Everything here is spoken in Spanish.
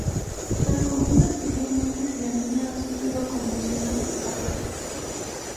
Se recomienda especialmente si la niña ha sufrido convulsiones en cadena.